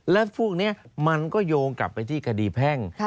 และพวกนี้มันก็โยงกลับไปที่คดีแพ่ง